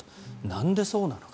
なんで、そうなのか。